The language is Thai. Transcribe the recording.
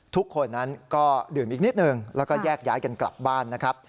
ทุกคนนั้นก็ดื่มอีกนิดหนึ่งแล้วก็แยกย้ายกันกลับบ้านนะครับ